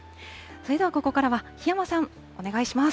それではここからは檜山さん、お願いします。